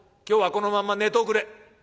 今日はこのまんま寝ておくれ。